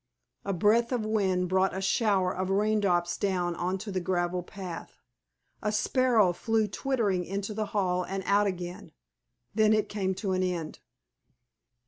A breath of wind brought a shower of rain drops down on to the gravel path. A sparrow flew twittering into the hall and out again. Then it came to an end.